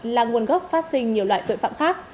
là nguồn gốc phát sinh nhiều loại tội phạm khác